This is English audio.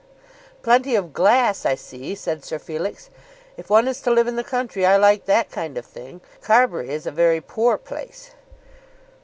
"Plenty of glass, I see," said Sir Felix. "If one is to live in the country, I like that kind of thing. Carbury is a very poor place."